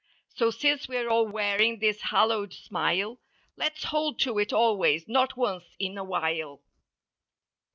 So since we're all wearing this hallowed smile Let's hold to it always—not once in a while.